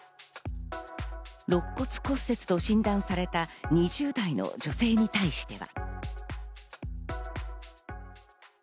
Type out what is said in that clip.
肋骨骨折と診断された２０代の女性に対しては。